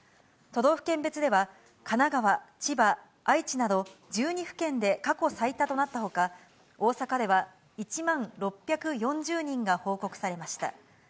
都道府県別では、神奈川、千葉、愛知など、１２府県で過去最多となったほか、大阪では、１万６４０人が報告されました。